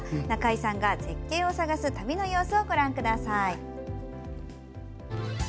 中井さんが絶景を探す旅の様子をご覧ください。